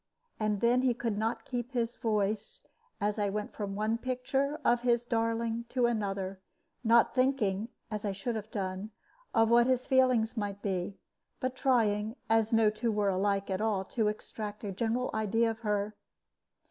And then he could not keep his voice as I went from one picture of his darling to another, not thinking (as I should have done) of what his feelings might be, but trying, as no two were at all alike, to extract a general idea of her.